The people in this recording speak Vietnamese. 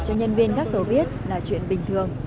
cho nhân viên gác tàu biết là chuyện bình thường